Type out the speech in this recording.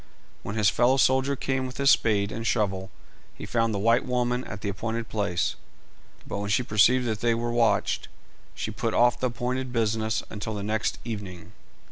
When his fellow soldier came with his spade and shovel he found the white woman at the appointed place, but when she perceived they were watched she put off the appointed business until the next evening.